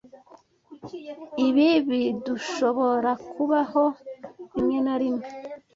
Ibi birdushoborakubaho rimwe na rimwe.